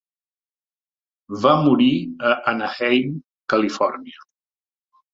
Va morir a Anaheim, Califòrnia.